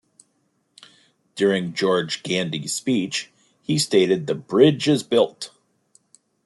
During George Gandy's speech, he stated; The bridge is built!